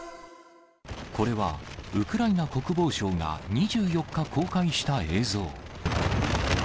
これは、ウクライナ国防省が２４日公開した映像。